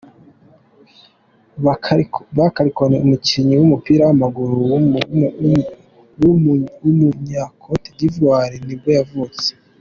Bakari Koné, umukinnyi w’umupira w’amaguru w’umunya-Cote D’ivoire nibwo yavutse.